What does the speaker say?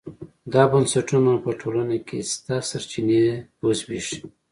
دا بنسټونه په ټولنه کې شته سرچینې وزبېښي.